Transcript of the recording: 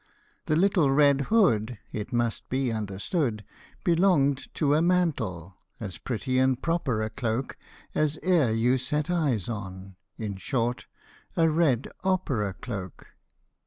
The little red hood, It must be understood, Belonged to a mantle as pretty and proper a cloak As e'er you set eyes on : in short, a red opera cloak.